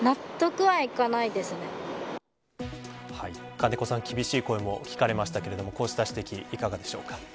金子さん、厳しい声も聞かれましたけれどもこうした指摘いかがでしょうか。